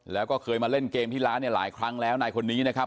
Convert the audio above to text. แล้วก็เคยมาเล่นเกมที่ร้านเนี่ยหลายครั้งแล้วนายคนนี้นะครับ